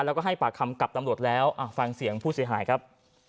แล้วก็ให้ปากคำกับตำรวจแล้วฟังเสียงผู้เสียหายครับ